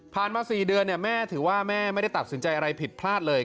มา๔เดือนแม่ถือว่าแม่ไม่ได้ตัดสินใจอะไรผิดพลาดเลย